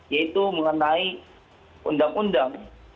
yaitu mengenai undang undang